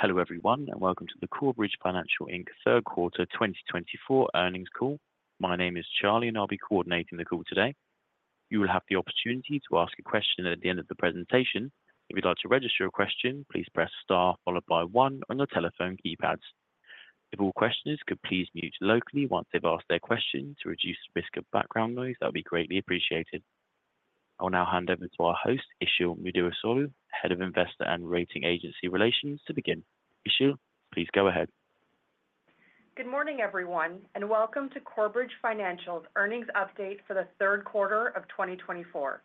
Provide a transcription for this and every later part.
Hello everyone, and welcome to the Corebridge Financial Inc Q3 2024 earnings call. My name is Charlie, and I'll be coordinating the call today. You will have the opportunity to ask a question at the end of the presentation. If you'd like to register a question, please press star followed by one on your telephone keypads. If all questioners could please mute locally once they've asked their question to reduce the risk of background noise, that would be greatly appreciated. I'll now hand over to our host, Işıl Müderrisoğlu, Head of Investor and Rating Agency Relations, to begin. Işıl, please go ahead. Good morning, everyone, and welcome to Corebridge Financial's earnings update for Q3 2024.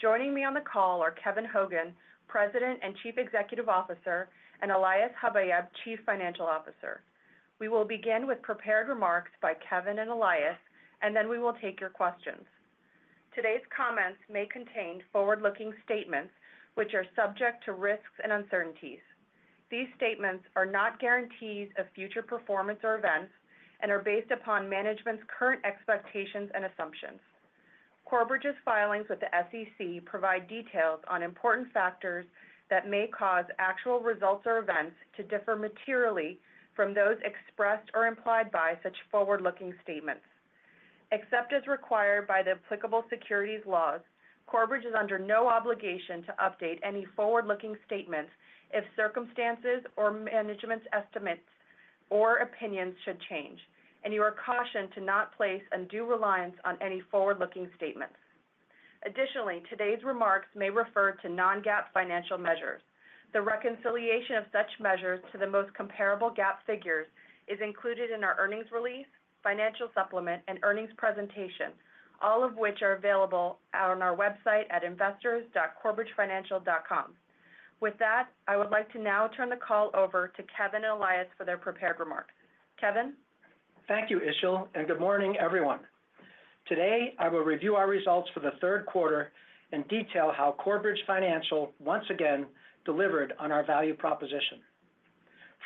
Joining me on the call are Kevin Hogan, President and Chief Executive Officer, and Elias Habayeb, Chief Financial Officer. We will begin with prepared remarks by Kevin and Elias, and then we will take your questions. Today's comments may contain forward-looking statements, which are subject to risks and uncertainties. These statements are not guarantees of future performance or events and are based upon management's current expectations and assumptions. Corebridge's filings with the SEC provide details on important factors that may cause actual results or events to differ materially from those expressed or implied by such forward-looking statements. Except as required by the applicable securities laws, Corebridge is under no obligation to update any forward-looking statements if circumstances or management's estimates or opinions should change, and you are cautioned to not place undue reliance on any forward-looking statements. Additionally, today's remarks may refer to non-GAAP financial measures. The reconciliation of such measures to the most comparable GAAP figures is included in our earnings release, financial supplement, and earnings presentation, all of which are available on our website at investors.corebridgefinancial.com. With that, I would like to now turn the call over to Kevin and Elias for their prepared remarks. Kevin? Thank you, Işıl, and good morning, everyone. Today, I will review our results for Q3 and detail how Corebridge Financial once again delivered on our value proposition.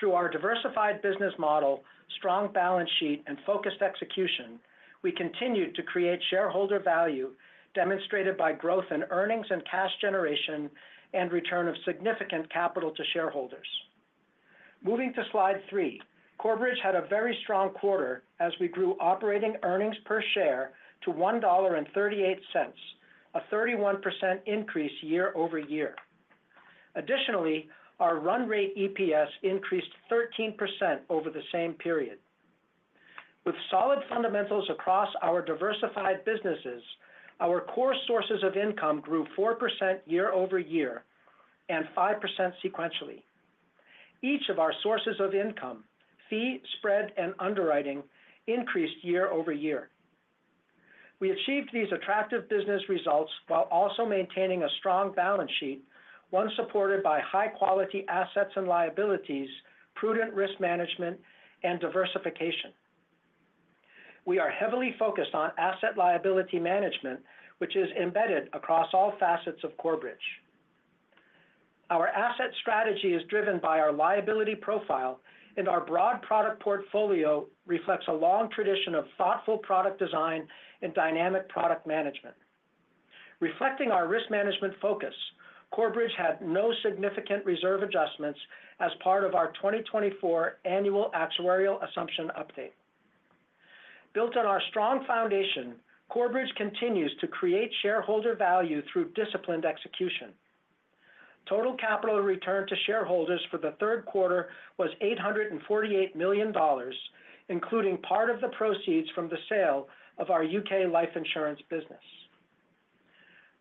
Through our diversified business model, strong balance sheet, and focused execution, we continued to create shareholder value demonstrated by growth in earnings and cash generation and return of significant capital to shareholders. Moving to Slide 3, Corebridge had a very strong quarter as we grew operating earnings per share to $1.38, a 31% increase year-over-year. Additionally, our run rate EPS increased 13% over the same period. With solid fundamentals across our diversified businesses, our core sources of income grew 4% year-over-year and 5% sequentially. Each of our sources of income, Fee, Spread, and Underwriting increased year-over-year. We achieved these attractive business results while also maintaining a strong balance sheet, one supported by high-quality assets and liabilities, prudent risk management, and diversification. We are heavily focused on asset liability management, which is embedded across all facets of Corebridge. Our asset strategy is driven by our liability profile, and our broad product portfolio reflects a long tradition of thoughtful product design and dynamic product management. Reflecting our risk management focus, Corebridge had no significant reserve adjustments as part of our 2024 annual actuarial assumption update. Built on our strong foundation, Corebridge continues to create shareholder value through disciplined execution. Total capital return to shareholders for Q3 was $848 million, including part of the proceeds from the sale of our UK Life Insurance business.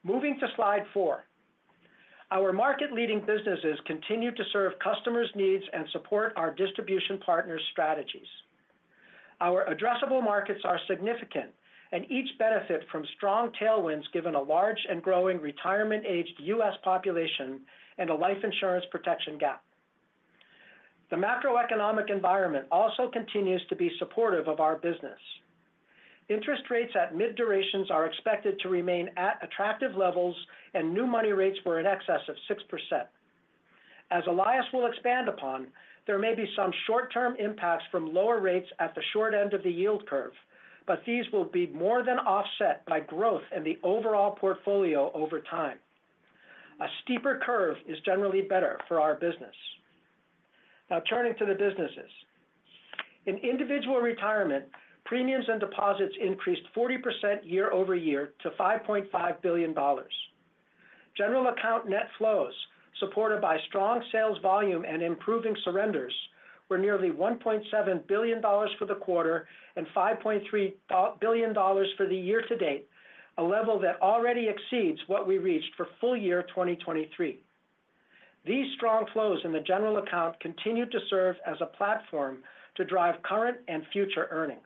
Moving to Slide 4, our market-leading businesses continue to serve customers' needs and support our distribution partners' strategies. Our addressable markets are significant, and each benefits from strong tailwinds given a large and growing retirement-aged U.S. population and a Life Insurance protection gap. The macroeconomic environment also continues to be supportive of our business. Interest rates at mid-durations are expected to remain at attractive levels, and new money rates were in excess of 6%. As Elias will expand upon, there may be some short-term impacts from lower rates at the short end of the yield curve, but these will be more than offset by growth in the overall portfolio over time. A steeper curve is generally better for our business. Now, turning to the businesses. In Individual Retirement, premiums and deposits increased 40% year-over-year to $5.5 billion. General account net flows, supported by strong sales volume and improving surrenders, were nearly $1.7 billion for the quarter and $5.3 billion for YTD, a level that already exceeds what we reached for full year 2023. These strong flows in the general account continue to serve as a platform to drive current and future earnings.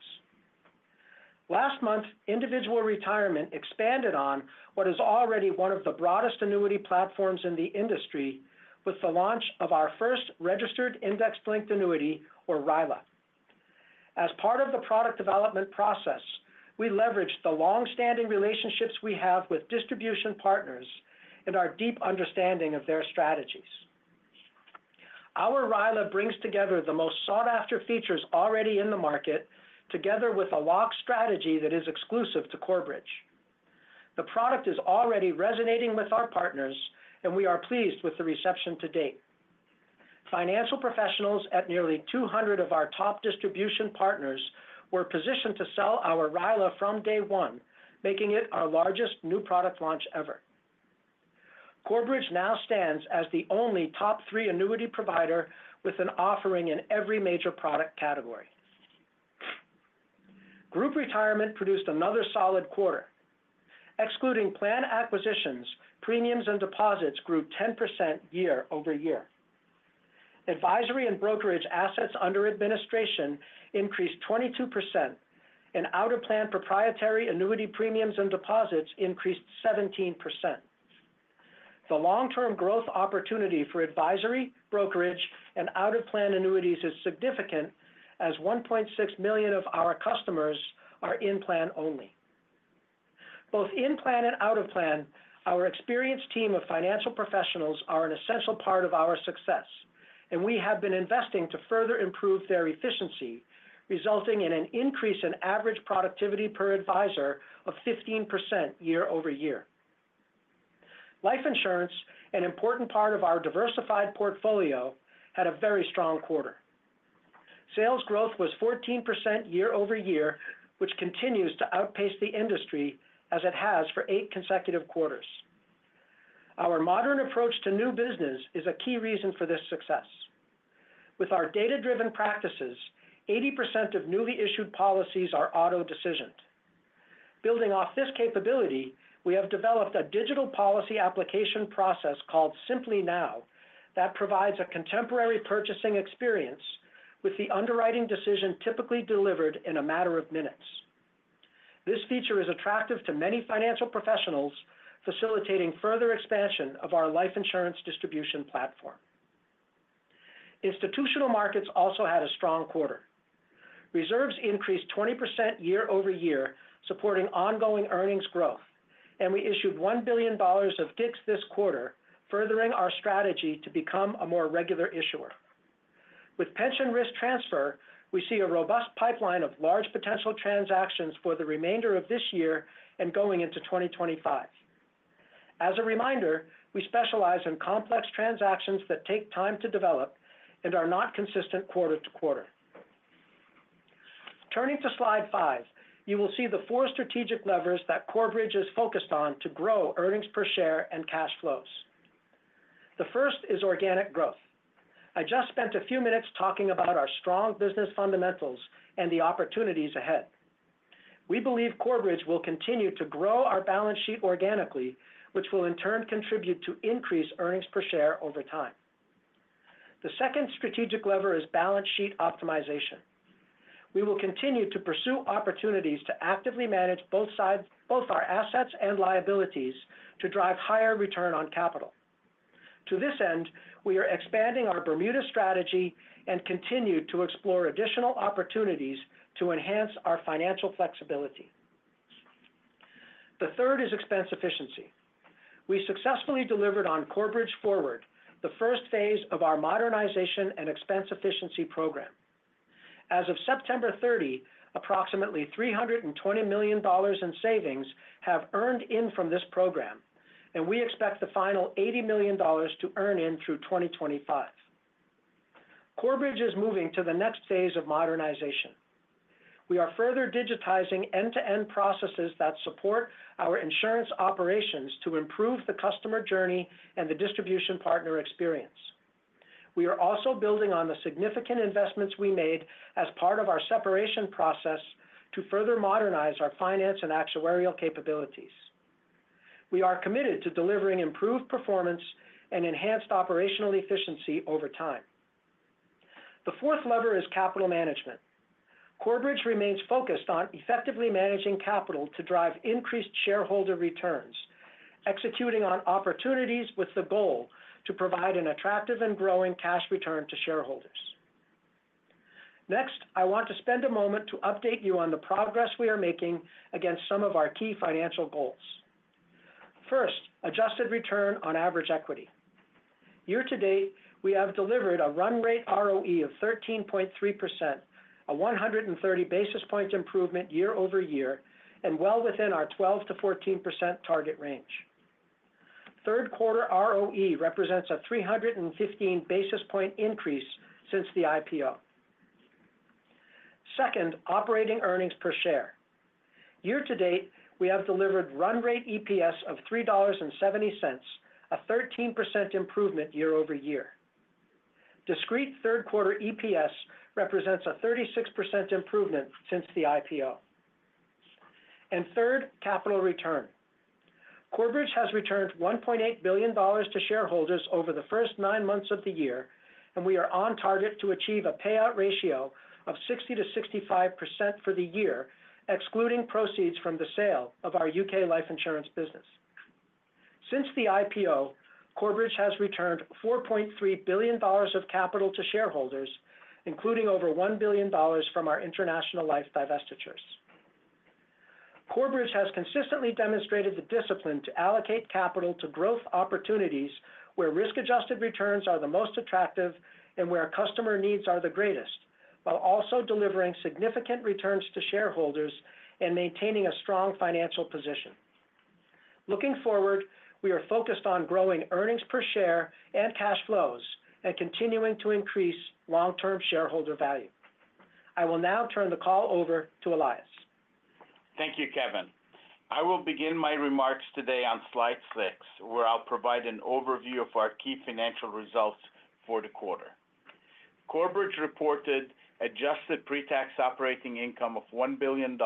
Last month, Individual Retirement expanded on what is already one of the broadest annuity platforms in the industry with the launch of our first registered index-linked annuity, or RILA. As part of the product development process, we leveraged the long-standing relationships we have with distribution partners and our deep understanding of their strategies. Our RILA brings together the most sought-after features already in the market, together with a locked strategy that is exclusive to Corebridge. The product is already resonating with our partners, and we are pleased with the reception to date. Financial professionals at nearly 200 of our top distribution partners were positioned to sell our RILA from day one, making it our largest new product launch ever. Corebridge now stands as the only top three annuity provider with an offering in every major product category. Group Retirement produced another solid quarter. Excluding plan acquisitions, premiums and deposits grew 10% year-over-year. Advisory and brokerage assets under administration increased 22%, and out-of-plan proprietary annuity premiums and deposits increased 17%. The long-term growth opportunity for advisory, brokerage, and out-of-plan annuities is significant, as 1.6 million of our customers are in-plan only. Both in-plan and out-of-plan, our experienced team of financial professionals are an essential part of our success, and we have been investing to further improve their efficiency, resulting in an increase in average productivity per advisor of 15% year-over-year. Life Insurance, an important part of our diversified portfolio, had a very strong quarter. Sales growth was 14% year-over-year, which continues to outpace the industry as it has for eight consecutive quarters. Our modern approach to new business is a key reason for this success. With our data-driven practices, 80% of newly issued policies are auto-decisioned. Building off this capability, we have developed a digital policy application process called SimpliNow that provides a contemporary purchasing experience with the underwriting decision typically delivered in a matter of minutes. This feature is attractive to many financial professionals, facilitating further expansion of our Life Insurance distribution platform. Institutional Markets also had a strong quarter. Reserves increased 20% year-over-year, supporting ongoing earnings growth, and we issued $1 billion of GICs this quarter, furthering our strategy to become a more regular issuer. With pension risk transfer, we see a robust pipeline of large potential transactions for the remainder of this year and going into 2025. As a reminder, we specialize in complex transactions that take time to develop and are not consistent quarter to quarter. Turning to Slide 5, you will see the four strategic levers that Corebridge is focused on to grow earnings per share and cash flows. The first is Organic Growth. I just spent a few minutes talking about our strong business fundamentals and the opportunities ahead. We believe Corebridge will continue to grow our balance sheet organically, which will in turn contribute to increased earnings per share over time. The second strategic lever is Balance Sheet Optimization. We will continue to pursue opportunities to actively manage both our assets and liabilities to drive higher return on capital. To this end, we are expanding our Bermuda strategy and continue to explore additional opportunities to enhance our financial flexibility. The third is Expense Efficiency. We successfully delivered on Corebridge Forward, the first phase of our modernization and expense efficiency program. As of September 30, approximately $320 million in savings have earned in from this program, and we expect the final $80 million to earn in through 2025. Corebridge is moving to the next phase of modernization. We are further digitizing end-to-end processes that support our insurance operations to improve the customer journey and the distribution partner experience. We are also building on the significant investments we made as part of our separation process to further modernize our finance and actuarial capabilities. We are committed to delivering improved performance and enhanced operational efficiency over time. The fourth lever is Capital Management. Corebridge remains focused on effectively managing capital to drive increased shareholder returns, executing on opportunities with the goal to provide an attractive and growing cash return to shareholders. Next, I want to spend a moment to update you on the progress we are making against some of our key financial goals. First, adjusted return on average equity. YTD, we have delivered a run rate ROE of 13.3%, a 130 basis point improvement year-over-year, and well within our 12%-14% target range. Q3 ROE represents a 315 basis point increase since the IPO. Second, operating earnings per share. YTD, we have delivered run rate EPS of $3.70, a 13% improvement year-over-year. Discrete Q3 EPS represents a 36% improvement since the IPO. And third, capital return. Corebridge has returned $1.8 billion to shareholders over the first nine months of the year, and we are on target to achieve a payout ratio of 60%-65% for the year, excluding proceeds from the sale of UK Life Insurance business. Since the IPO, Corebridge has returned $4.3 billion of capital to shareholders, including over $1 billion from our International Life divestitures. Corebridge has consistently demonstrated the discipline to allocate capital to growth opportunities where risk-adjusted returns are the most attractive and where customer needs are the greatest, while also delivering significant returns to shareholders and maintaining a strong financial position. Looking forward, we are focused on growing earnings per share and cash flows and continuing to increase long-term shareholder value. I will now turn the call over to Elias. Thank you, Kevin. I will begin my remarks today on Slide 6, where I'll provide an overview of our key financial results for the quarter. Corebridge reported adjusted pre-tax operating income of $1 billion,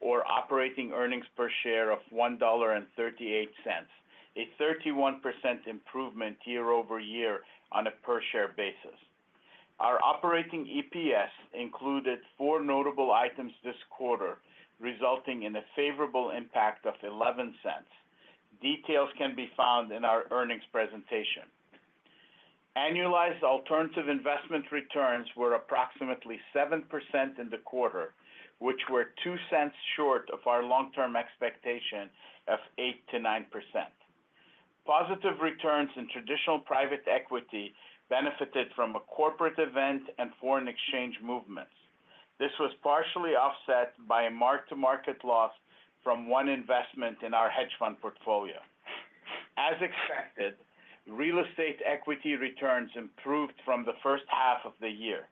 or operating earnings per share of $1.38, a 31% improvement year-over-year on a per-share basis. Our operating EPS included four notable items this quarter, resulting in a favorable impact of $0.11. Details can be found in our earnings presentation. Annualized alternative investment returns were approximately 7% in the quarter, which were $0.02 short of our long-term expectation of 8%-9%. Positive returns in traditional private equity benefited from a corporate event and foreign exchange movements. This was partially offset by a mark-to-market loss from one investment in our hedge fund portfolio. As expected, real estate equity returns improved from the first half of the year.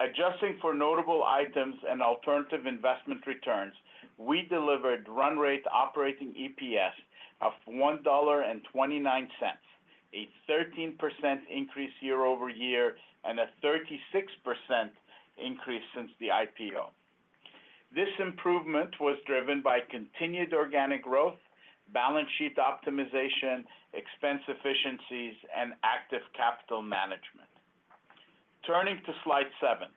Adjusting for notable items and alternative investment returns, we delivered run rate operating EPS of $1.29, a 13% increase year-over-year and a 36% increase since the IPO. This improvement was driven by continued organic growth, balance sheet optimization, expense efficiencies, and active capital management. Turning to Slide 7,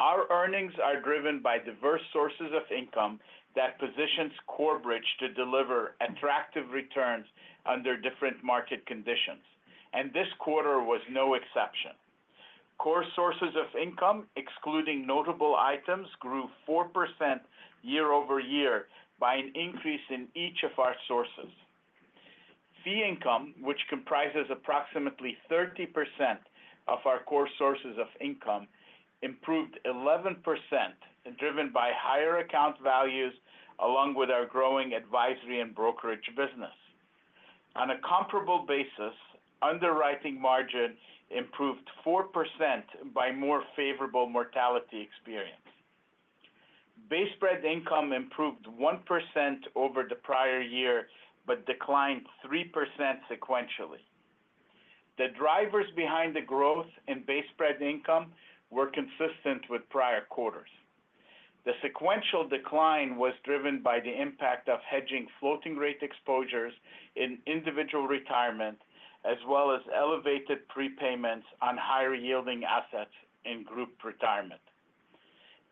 our earnings are driven by diverse sources of income that positions Corebridge to deliver attractive returns under different market conditions, and this quarter was no exception. Core sources of income, excluding notable items, grew 4% year-over-year by an increase in each of our sources. Fee Income, which comprises approximately 30% of our core sources of income, improved 11% and driven by higher account values along with our growing advisory and brokerage business. On a comparable basis, underwriting margin improved 4% by more favorable mortality experience. base Spread Income improved 1% over the prior year but declined 3% sequentially. The drivers behind the growth in base Spread Income were consistent with prior quarters. The sequential decline was driven by the impact of hedging floating rate exposures in Individual Retirement, as well as elevated prepayments on higher-yielding assets in Group Retirement.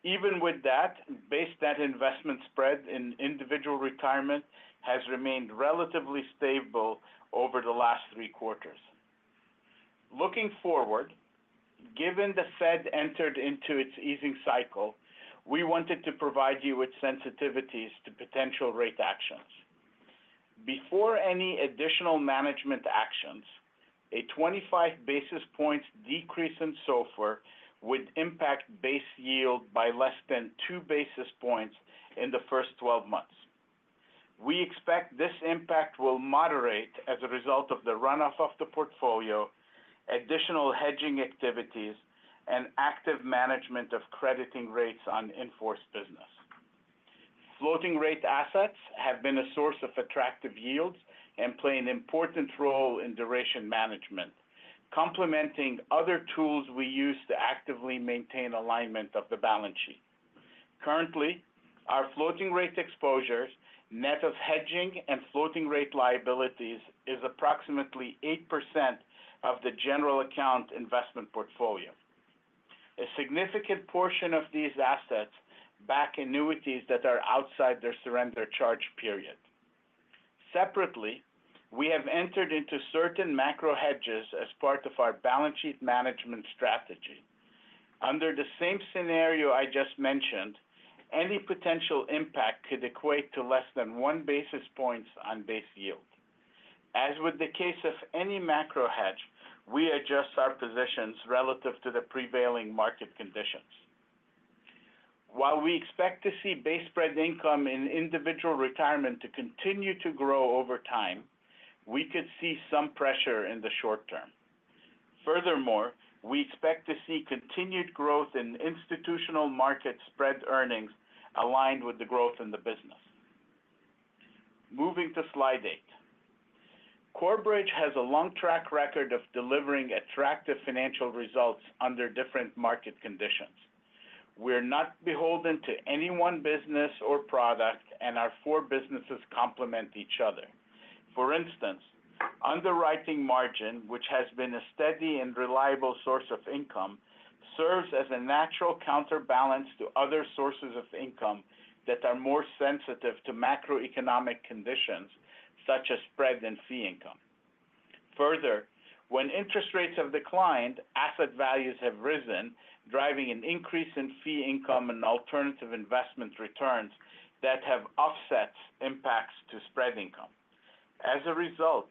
Even with that, base net investment Spread in Individual Retirement has remained relatively stable over the last three quarters. Looking forward, given the Fed entered into its easing cycle, we wanted to provide you with sensitivities to potential rate actions. Before any additional management actions, a 25 basis point decrease in SOFR would impact base yield by less than 2 basis points in the first 12 months. We expect this impact will moderate as a result of the run-off of the portfolio, additional hedging activities, and active management of crediting rates on in-force business. Floating rate assets have been a source of attractive yields and play an important role in duration management, complementing other tools we use to actively maintain alignment of the balance sheet. Currently, our floating rate exposures, net of hedging and floating rate liabilities, is approximately 8% of the general account investment portfolio. A significant portion of these assets back annuities that are outside their surrender charge period. Separately, we have entered into certain macro hedges as part of our balance sheet management strategy. Under the same scenario I just mentioned, any potential impact could equate to less than one basis point on base yield. As with the case of any macro hedge, we adjust our positions relative to the prevailing market conditions. While we expect to see base Spread Income in Individual Retirement to continue to grow over time, we could see some pressure in the short term. Furthermore, we expect to see continued growth in Institutional Markets spread earnings aligned with the growth in the business. Moving to Slide 8, Corebridge has a long track record of delivering attractive financial results under different market conditions. We are not beholden to any one business or product, and our four businesses complement each other. For instance, underwriting margin, which has been a steady and reliable source of income, serves as a natural counterbalance to other sources of income that are more sensitive to macroeconomic conditions such as Spread and Fee Income. Further, when interest rates have declined, asset values have risen, driving an increase in Fee Income and alternative investment returns that have offset impacts to Spread Income. As a result,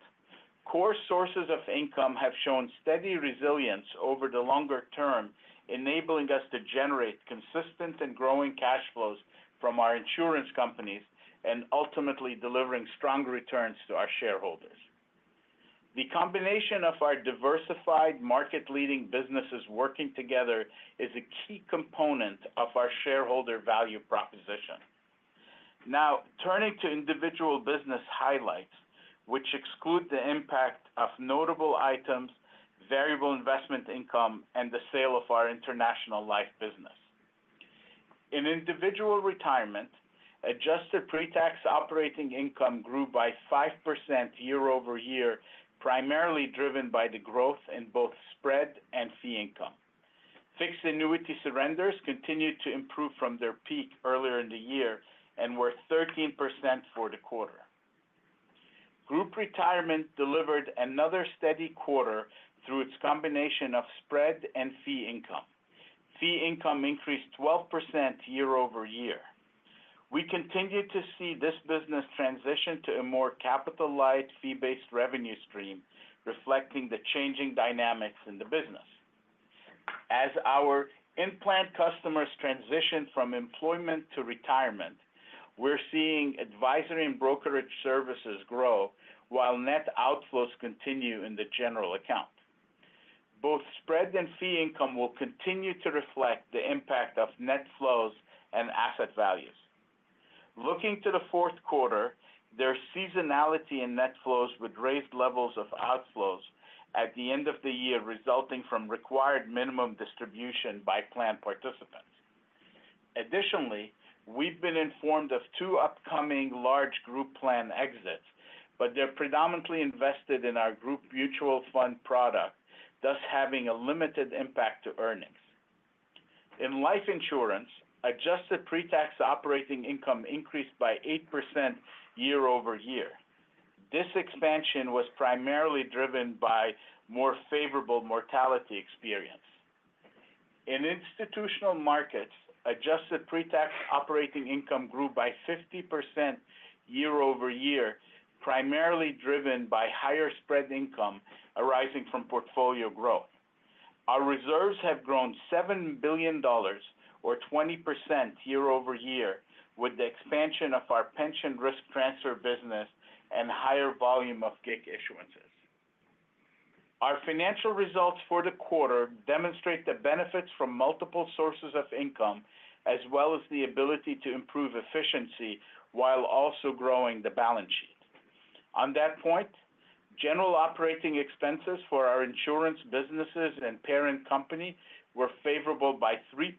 core sources of income have shown steady resilience over the longer term, enabling us to generate consistent and growing cash flows from our insurance companies and ultimately delivering strong returns to our shareholders. The combination of our diversified market-leading businesses working together is a key component of our shareholder value proposition. Now, turning to individual business highlights, which exclude the impact of notable items, variable investment income, and the sale of International Life business. in Individual Retirement, adjusted pre-tax operating income grew by 5% year-over-year, primarily driven by the growth in both Spread and Fee Income. Fixed annuity surrenders continued to improve from their peak earlier in the year and were 13% for the quarter. Group Retirement delivered another steady quarter through its combination of Spread and Fee Income. Fee Income increased 12% year-over-year. We continue to see this business transition to a more capitalized fee-based revenue stream, reflecting the changing dynamics in the business. As our in-plan customers transition from employment to retirement, we're seeing advisory and brokerage services grow while net outflows continue in the general account. Both Spread and Fee Income will continue to reflect the impact of net flows and asset values. Looking to the fourth quarter, the seasonality in net flows would raise levels of outflows at the end of the year, resulting from required minimum distribution by plan participants. Additionally, we've been informed of two upcoming large group plan exits, but they're predominantly invested in our group mutual fund product, thus having a limited impact to earnings. In Life Insurance, adjusted pre-tax operating income increased by 8% year-over-year. This expansion was primarily driven by more favorable mortality experience. In Institutional Markets, adjusted pre-tax operating income grew by 50% year-over-year, primarily driven by higher Spread Income arising from portfolio growth. Our reserves have grown $7 billion, or 20% year-over-year, with the expansion of our pension risk transfer business and higher volume of GIC issuances. Our financial results for the quarter demonstrate the benefits from multiple sources of income, as well as the ability to improve efficiency while also growing the balance sheet. On that point, general operating expenses for our insurance businesses and parent company were favorable by 3%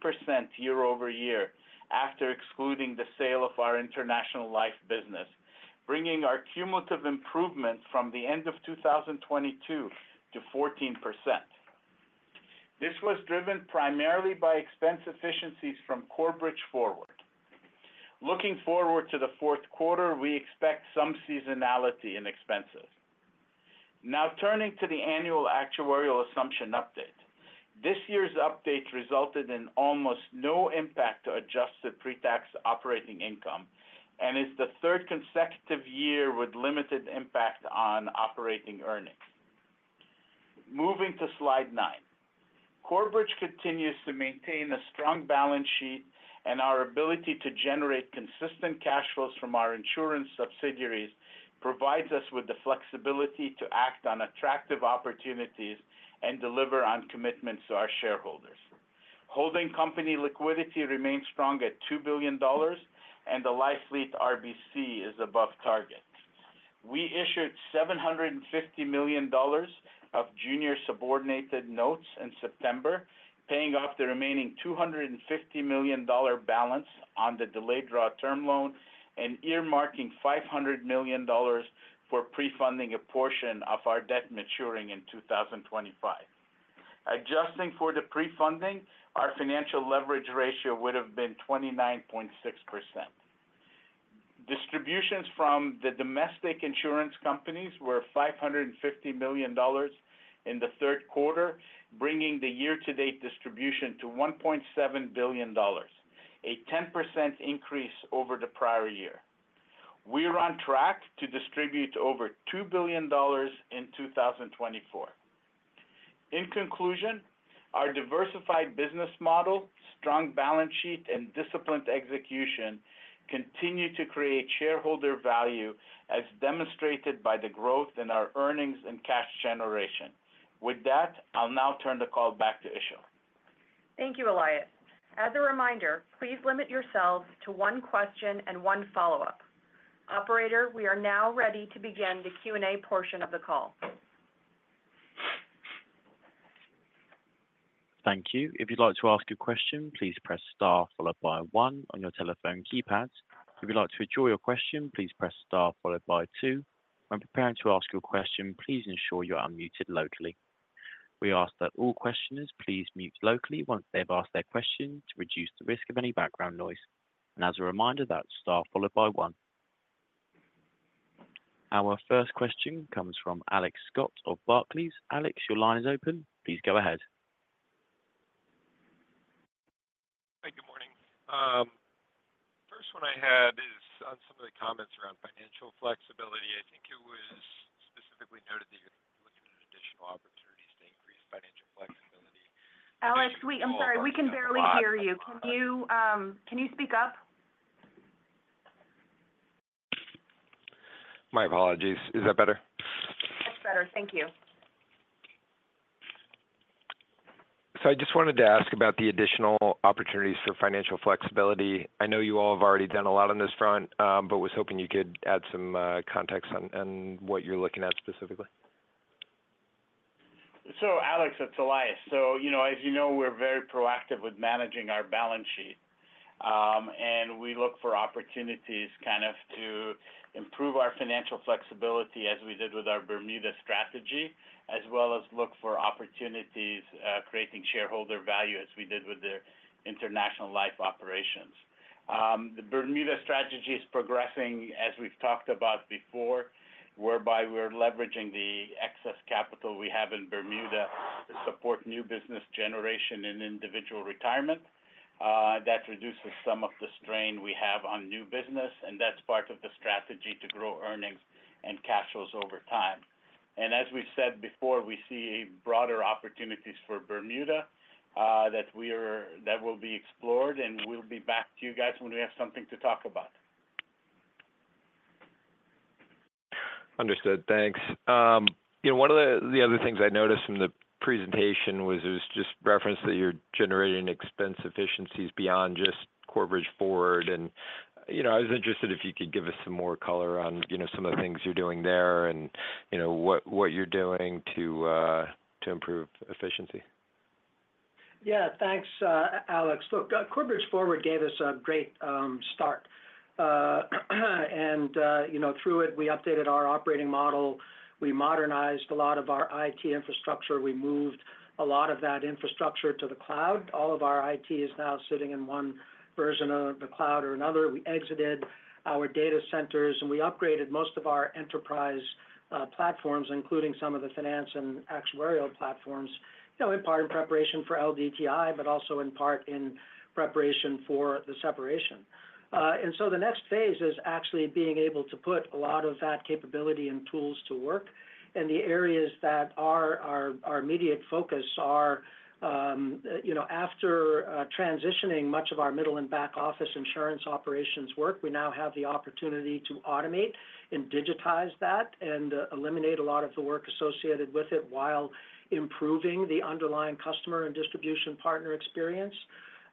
year-over-year after excluding the sale of International Life business, bringing our cumulative improvement from the end of 2022 to 14%. This was driven primarily by expense efficiencies from Corebridge Forward. Looking forward to the fourth quarter, we expect some seasonality in expenses. Now, turning to the annual actuarial assumption update, this year's update resulted in almost no impact to adjusted pre-tax operating income and is the third consecutive year with limited impact on operating earnings. Moving to Slide 9, Corebridge continues to maintain a strong balance sheet, and our ability to generate consistent cash flows from our insurance subsidiaries provides us with the flexibility to act on attractive opportunities and deliver on commitments to our shareholders. Holding company liquidity remains strong at $2 billion, and the Life Fleet RBC is above target. We issued $750 million of junior subordinated notes in September, paying off the remaining $250 million balance on the delayed draw term loan and earmarking $500 million for pre-funding a portion of our debt maturing in 2025. Adjusting for the pre-funding, our financial leverage ratio would have been 29.6%. Distributions from the domestic insurance companies were $550 million in the third quarter, bringing the year-to-date distribution to $1.7 billion, a 10% increase over the prior year. We are on track to distribute over $2 billion in 2024. In conclusion, our diversified business model, strong balance sheet, and disciplined execution continue to create shareholder value, as demonstrated by the growth in our earnings and cash generation. With that, I'll now turn the call back to Işıl. Thank you, Elias. As a reminder, please limit yourselves to one question and one follow-up. Operator, we are now ready to begin the Q&A portion of the call. Thank you. If you'd like to ask a question, please press star followed by one on your telephone keypad. If you'd like to withdraw your question, please press star followed by two. When preparing to ask your question, please ensure you're unmuted locally. We ask that all questioners please mute locally once they've asked their question to reduce the risk of any background noise. And as a reminder, that's star followed by one. Our first question comes from Alex Scott of Barclays. Alex, your line is open. Please go ahead. Hey, good morning. First one I had is on some of the comments around financial flexibility. I think it was specifically noted that you're looking at additional opportunities to increase financial flexibility. Alex, I'm sorry. We can barely hear you. Can you speak up? My apologies. Is that better? That's better. Thank you. So I just wanted to ask about the additional opportunities for financial flexibility. I know you all have already done a lot on this front, but was hoping you could add some context on what you're looking at specifically? Alex, it's Elias. As you know, we're very proactive with managing our balance sheet, and we look for opportunities kind of to improve our financial flexibility as we did with our Bermuda strategy, as well as look for opportunities creating shareholder value as we did with the International Life operations. The Bermuda strategy is progressing, as we've talked about before, whereby we're leveraging the excess capital we have in Bermuda to support new business generation in Individual Retirement. That reduces some of the strain we have on new business, and that's part of the strategy to grow earnings and cash flows over time. As we've said before, we see broader opportunities for Bermuda that will be explored, and we'll be back to you guys when we have something to talk about. Understood. Thanks. One of the other things I noticed from the presentation was it was just referenced that you're generating expense efficiencies beyond just Corebridge Forward, and I was interested if you could give us some more color on some of the things you're doing there and what you're doing to improve efficiency? Yeah. Thanks, Alex. Look, Corebridge Forward gave us a great start. And through it, we updated our operating model. We modernized a lot of our IT infrastructure. We moved a lot of that infrastructure to the cloud. All of our IT is now sitting in one version of the cloud or another. We exited our data centers, and we upgraded most of our enterprise platforms, including some of the finance and actuarial platforms, in part in preparation for LDTI, but also in part in preparation for the separation, and so the next phase is actually being able to put a lot of that capability and tools to work. And the areas that are our immediate focus are after transitioning much of our middle and back office insurance operations work, we now have the opportunity to automate and digitize that and eliminate a lot of the work associated with it while improving the underlying customer and distribution partner experience.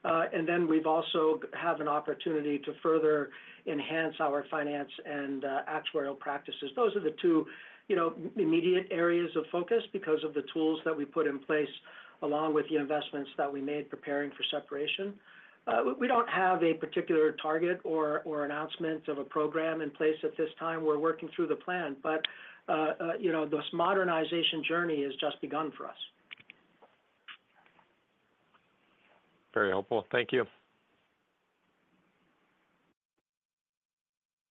And then we've also had an opportunity to further enhance our finance and actuarial practices. Those are the two immediate areas of focus because of the tools that we put in place along with the investments that we made preparing for separation. We don't have a particular target or announcement of a program in place at this time. We're working through the plan, but this modernization journey has just begun for us. Very helpful. Thank you.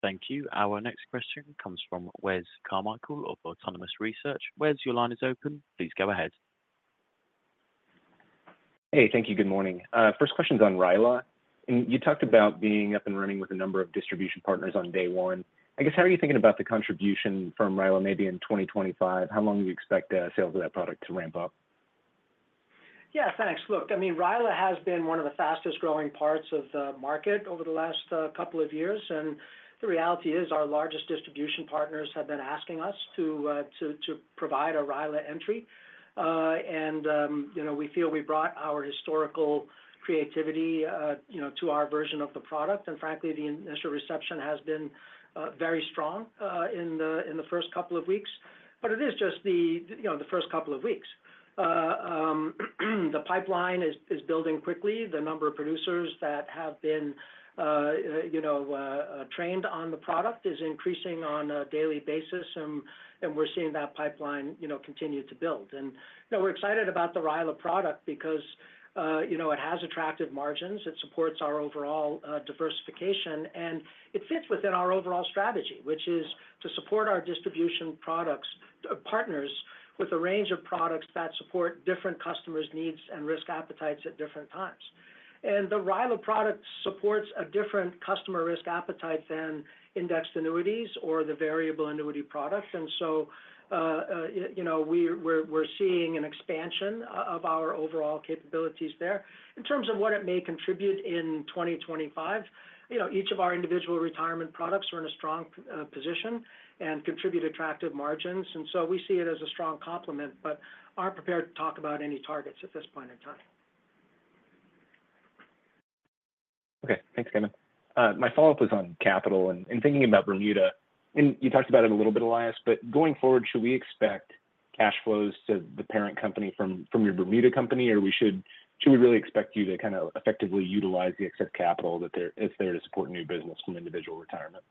Thank you. Our next question comes from Wes Carmichael of Autonomous Research. Wes, your line is open. Please go ahead. Hey, thank you. Good morning. First question's on RILA. And you talked about being up and running with a number of distribution partners on day one. I guess, how are you thinking about the contribution from RILA maybe in 2025? How long do you expect sales of that product to ramp up? Yeah. Thanks. Look, I mean, RILA has been one of the fastest-growing parts of the market over the last couple of years. And the reality is our largest distribution partners have been asking us to provide a RILA entry. And we feel we brought our historical creativity to our version of the product. And frankly, the initial reception has been very strong in the first couple of weeks. But it is just the first couple of weeks. The pipeline is building quickly. The number of producers that have been trained on the product is increasing on a daily basis, and we're seeing that pipeline continue to build. And we're excited about the RILA product because it has attractive margins. It supports our overall diversification, and it fits within our overall strategy, which is to support our distribution partners with a range of products that support different customers' needs and risk appetites at different times. And the RILA product supports a different customer risk appetite than indexed annuities or the variable annuity product. And so we're seeing an expansion of our overall capabilities there. In terms of what it may contribute in 2025, each of our Individual Retirement products are in a strong position and contribute attractive margins. And so we see it as a strong complement, but aren't prepared to talk about any targets at this point in time. Okay. Thanks, Kevin. My follow-up was on capital. And thinking about Bermuda, and you talked about it a little bit, Elias, but going forward, should we expect cash flows to the parent company from your Bermuda company, or should we really expect you to kind of effectively utilize the excess capital that's there to support new business from Individual Retirement?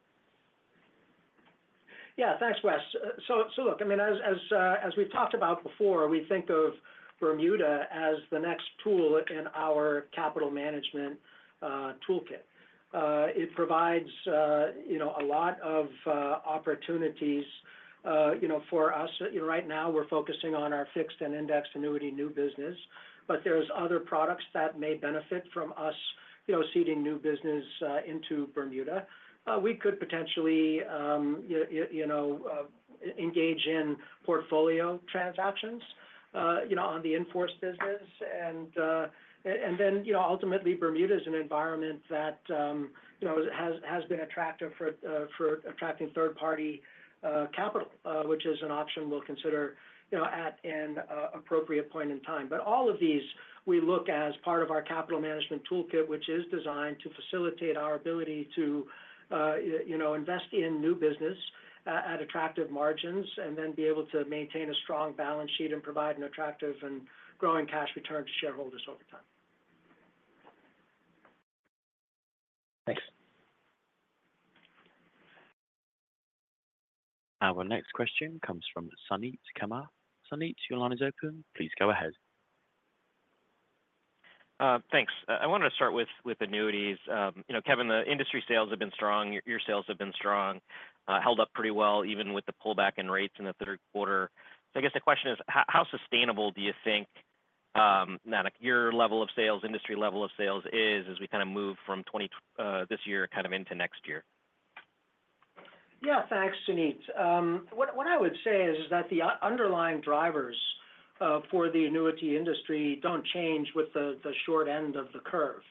Yeah. Thanks, Wes. So look, I mean, as we've talked about before, we think of Bermuda as the next tool in our capital management toolkit. It provides a lot of opportunities for us. Right now, we're focusing on our fixed and indexed annuity new business, but there are other products that may benefit from us seeding new business into Bermuda. We could potentially engage in portfolio transactions on the in-force business. And then ultimately, Bermuda is an environment that has been attractive for attracting third-party capital, which is an option we'll consider at an appropriate point in time. But all of these we look as part of our capital management toolkit, which is designed to facilitate our ability to invest in new business at attractive margins and then be able to maintain a strong balance sheet and provide an attractive and growing cash return to shareholders over time. Thanks. Our next question comes from Suneet Kamath. Suneet, your line is open. Please go ahead. Thanks. I wanted to start with annuities. Kevin, the industry sales have been strong. Your sales have been strong, held up pretty well even with the pullback in rates in the third quarter. So I guess the question is, how sustainable do you think your level of sales, industry level of sales is as we kind of move from this year kind of into next year? Yeah. Thanks, Suneet. What I would say is that the underlying drivers for the annuity industry don't change with the short end of the curve.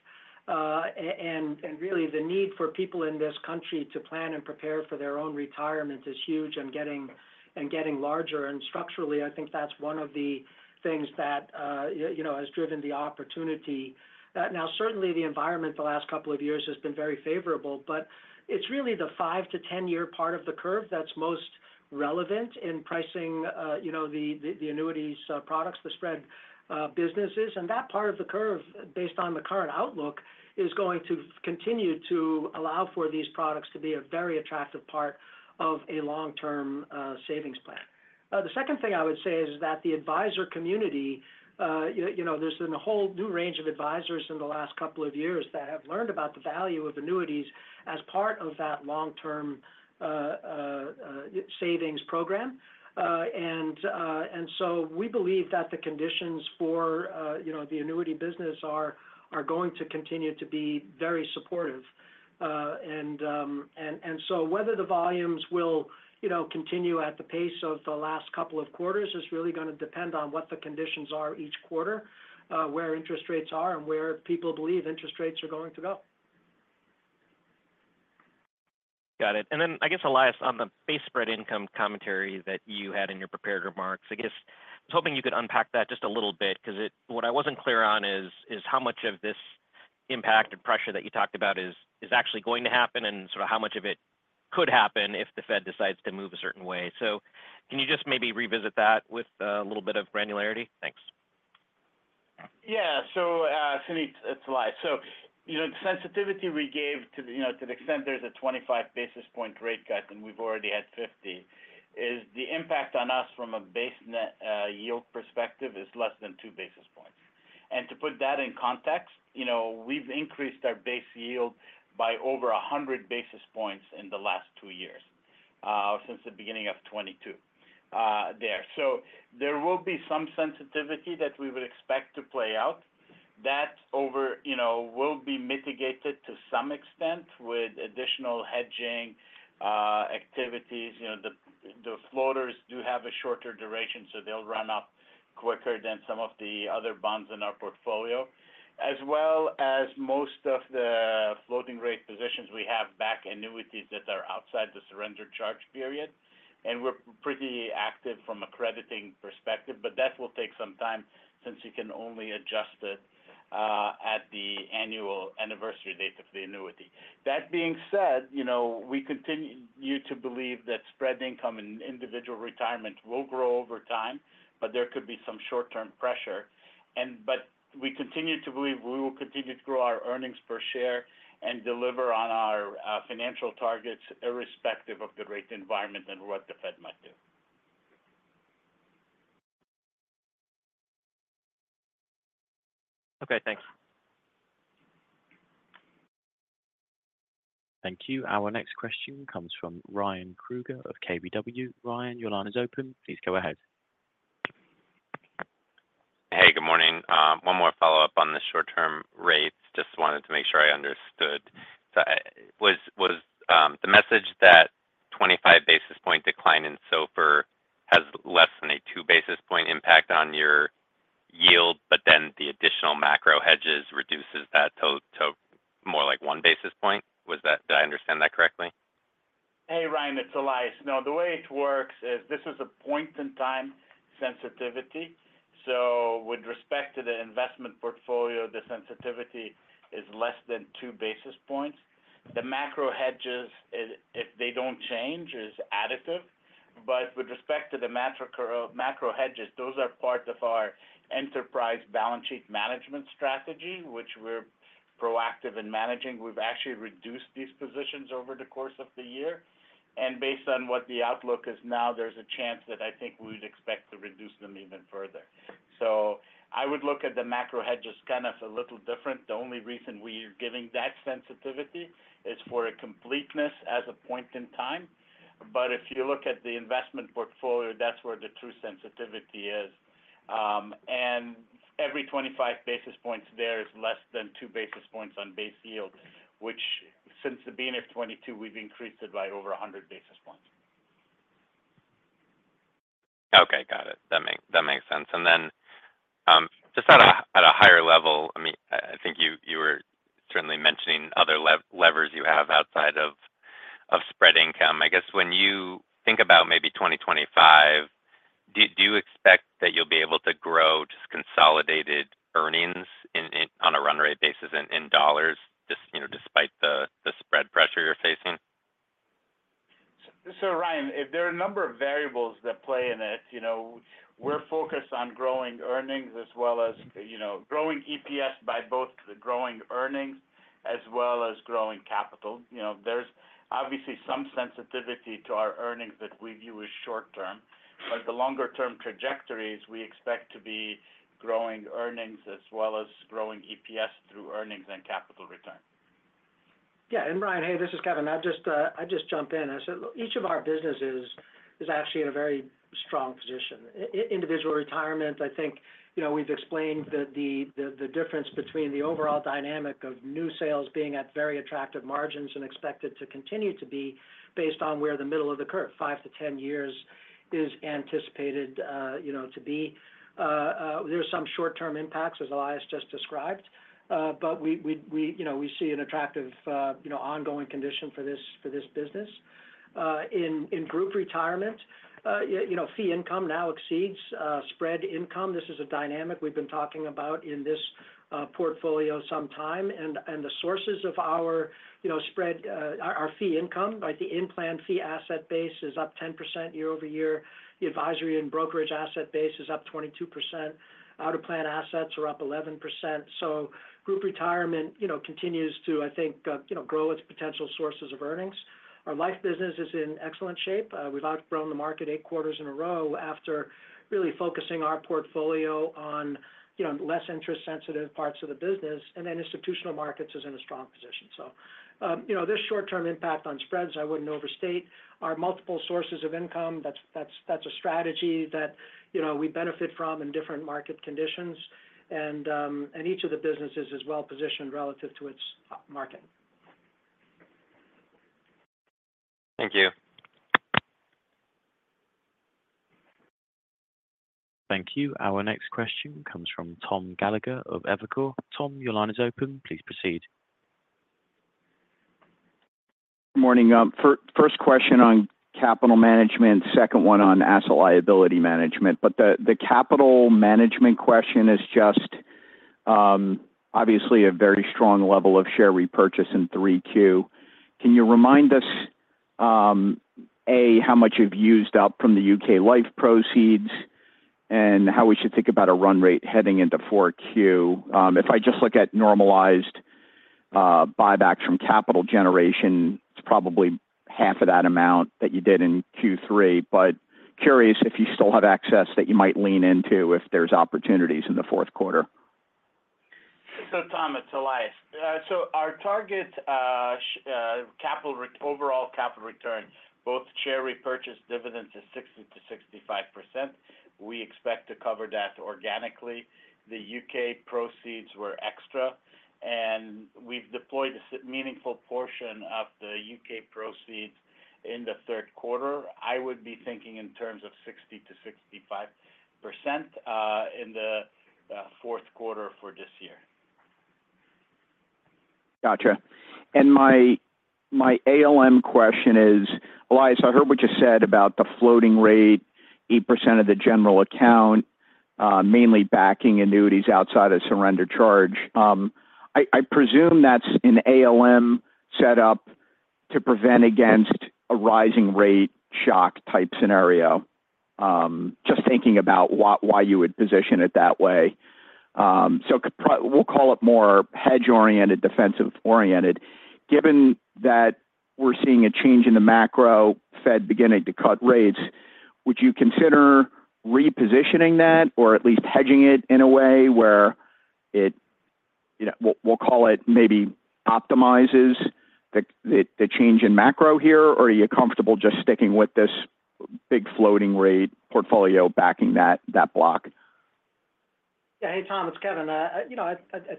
And really, the need for people in this country to plan and prepare for their own retirement is huge and getting larger. And structurally, I think that's one of the things that has driven the opportunity. Now, certainly, the environment the last couple of years has been very favorable, but it's really the five- to 10-year part of the curve that's most relevant in pricing the annuities products, the Spread businesses. And that part of the curve, based on the current outlook, is going to continue to allow for these products to be a very attractive part of a long-term savings plan. The second thing I would say is that the advisor community, there's been a whole new range of advisors in the last couple of years that have learned about the value of annuities as part of that long-term savings program. And so we believe that the conditions for the annuity business are going to continue to be very supportive. And so whether the volumes will continue at the pace of the last couple of quarters is really going to depend on what the conditions are each quarter, where interest rates are, and where people believe interest rates are going to go. Got it. And then I guess, Elias, on the base Spread Income commentary that you had in your prepared remarks, I guess I was hoping you could unpack that just a little bit because what I wasn't clear on is how much of this impact and pressure that you talked about is actually going to happen and sort of how much of it could happen if the Fed decides to move a certain way. So can you just maybe revisit that with a little bit of granularity? Thanks. Yeah. So Suneet, it's Elias. So the sensitivity we gave to the extent there's a 25 basis point rate cut and we've already had 50, is the impact on us from a base yield perspective is less than 2 basis points. And to put that in context, we've increased our base yield by over 100 basis points in the last two years since the beginning of 2022 there. So there will be some sensitivity that we would expect to play out. That will be mitigated to some extent with additional hedging activities. The floaters do have a shorter duration, so they'll run up quicker than some of the other bonds in our portfolio, as well as most of the floating rate positions we have back annuities that are outside the surrender charge period. We're pretty active from a crediting perspective, but that will take some time since you can only adjust it at the annual anniversary date of the annuity. That being said, we continue to believe that Spread Income in Individual Retirement will grow over time, but there could be some short-term pressure. We continue to believe we will continue to grow our earnings per share and deliver on our financial targets irrespective of the rate environment and what the Fed might do. Okay. Thanks. Thank you. Our next question comes from Ryan Krueger of KBW. Ryan, your line is open. Please go ahead. Hey, good morning. One more follow-up on the short-term rates. Just wanted to make sure I understood. So was the message that 25 basis point decline in SOFR has less than a 2 basis point impact on your yield, but then the additional macro hedges reduces that to more like 1 basis point? Did I understand that correctly? Hey, Ryan, it's Elias. Now, the way it works is this is a point-in-time sensitivity, so with respect to the investment portfolio, the sensitivity is less than two basis points. The macro hedges, if they don't change, is additive, but with respect to the macro hedges, those are part of our enterprise balance sheet management strategy, which we're proactive in managing. We've actually reduced these positions over the course of the year, and based on what the outlook is now, there's a chance that I think we would expect to reduce them even further, so I would look at the macro hedges kind of a little different. The only reason we are giving that sensitivity is for completeness as a point in time, but if you look at the investment portfolio, that's where the true sensitivity is. Every 25 basis points there is less than 2 basis points on base yield, which since the beginning of 2022, we've increased it by over 100 basis points. Okay. Got it. That makes sense, and then just at a higher level, I mean, I think you were certainly mentioning other levers you have outside of Spread Income. I guess when you think about maybe 2025, do you expect that you'll be able to grow just consolidated earnings on a run rate basis in dollars despite the Spread pressure you're facing? So Ryan, there are a number of variables that play in it. We're focused on growing earnings as well as growing EPS by both the growing earnings as well as growing capital. There's obviously some sensitivity to our earnings that we view as short-term. But the longer-term trajectory is we expect to be growing earnings as well as growing EPS through earnings and capital return. Yeah. And, Ryan, hey, this is Kevin. I just jump in. I said each of our businesses is actually in a very strong position. Individual Retirement, I think we've explained that the difference between the overall dynamic of new sales being at very attractive margins and expected to continue to be based on where the middle of the curve, five to 10 years, is anticipated to be. There's some short-term impacts, as Elias just described, but we see an attractive ongoing condition for this business. In Group Retirement, Fee Income now exceeds Spread Income. This is a dynamic we've been talking about in this portfolio some time. And the sources of our Fee Income, right, the in-plan fee asset base is up 10% year-over-year. The advisory and brokerage asset base is up 22%. Out-of-plan assets are up 11%. So Group Retirement continues to, I think, grow its potential sources of earnings. Our Life business is in excellent shape. We've outgrown the market eight quarters in a row after really focusing our portfolio on less interest-sensitive parts of the business. And then Institutional Markets is in a strong position. So this short-term impact on Spreads, I wouldn't overstate. Our multiple sources of income, that's a strategy that we benefit from in different market conditions. And each of the businesses is well-positioned relative to its market. Thank you. Thank you. Our next question comes from Tom Gallagher of Evercore. Tom, your line is open. Please proceed. Morning. First question on capital management, second one on asset liability management. But the capital management question is just obviously a very strong level of share repurchase in 3Q. Can you remind us, A, how much you've used up from the UK Life proceeds and how we should think about a run rate heading into 4Q? If I just look at normalized buybacks from capital generation, it's probably half of that amount that you did in Q3. But curious if you still have access that you might lean into if there's opportunities in the fourth quarter. Tom, it's Elias. Our target overall capital return, both share repurchase dividends, is 60%-65%. We expect to cover that organically. The U.K. proceeds were extra. And we've deployed a meaningful portion of the U.K. proceeds in the third quarter. I would be thinking in terms of 60%-65% in the fourth quarter for this year. Gotcha. My ALM question is, Elias, I heard what you said about the floating rate, 8% of the general account, mainly backing annuities outside of surrender charge. I presume that's an ALM setup to prevent against a rising rate shock type scenario, just thinking about why you would position it that way. We'll call it more hedge-oriented, defensive-oriented. Given that we're seeing a change in the macro, Fed beginning to cut rates, would you consider repositioning that or at least hedging it in a way where it, we'll call it maybe optimizes the change in macro here, or are you comfortable just sticking with this big floating rate portfolio backing that block? Yeah. Hey, Tom, it's Kevin. I